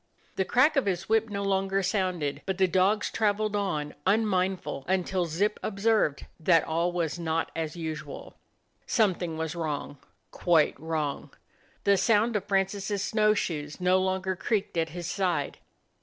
The erack of his whip no longer sounded, but the dogs traveled on unmindful until Zip observed that all was not as usual. Some thing was wrong; quite wrong. The sound of Francis' snow r shoes no longer creaked at his side.